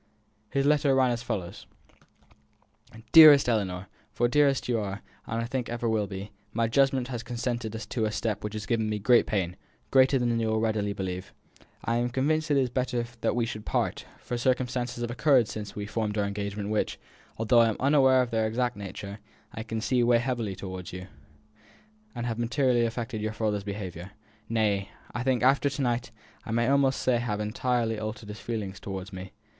His letter ran as follows: "DEAREST ELLINOR, for dearest you are, and I think will ever be, my judgment has consented to a step which is giving me great pain, greater than you will readily believe. I am convinced that it is better that we should part; for circumstances have occurred since we formed our engagement which, although I am unaware of their exact nature, I can see weigh heavily upon you, and have materially affected your father's behaviour. Nay, I think, after to night, I may almost say have entirely altered his feelings towards me.